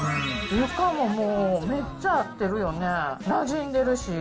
床ももうめっちゃ合ってるよね、なじんでるし。